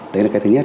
đấy là cái thứ nhất